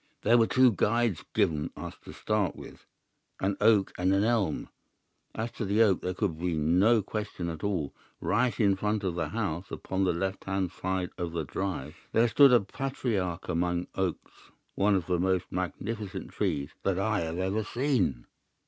There were two guides given us to start with, an oak and an elm. As to the oak there could be no question at all. Right in front of the house, upon the left hand side of the drive, there stood a patriarch among oaks, one of the most magnificent trees that I have ever seen.